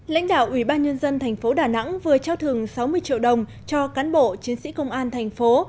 lãnh đạo ủy ban nhân dân thành phố đà nẵng vừa trao thường sáu mươi triệu đồng cho cán bộ chiến sĩ công an thành phố